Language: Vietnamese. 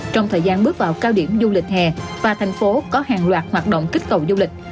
trong bãi biển thành phố có hàng loạt hoạt động kích cầu du lịch